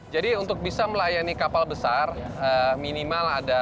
untuk bisa melayani kapal besar minimal ada